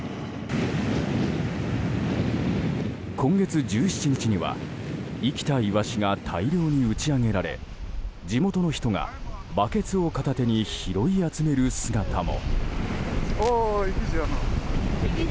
今月１７日には、生きたイワシが大量に打ち揚げられ地元の人がバケツを片手に拾い集める姿も。